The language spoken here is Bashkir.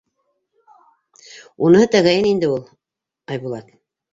— Уныһы тәғәйен инде ул, Айбулат.